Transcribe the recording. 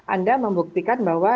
anda membuktikan bahwa